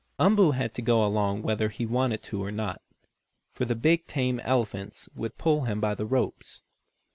Umboo had to go along whether he wanted to or not, for the big, tame elephants would pull him by the ropes.